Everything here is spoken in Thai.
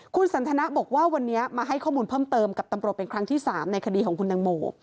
คุณสันทนาบอกว่าวันนี้มาให้ข้อมูลเพิ่มเติมกับตำรวจเป็นครั้งที่๓ในคดีของคุณตังโม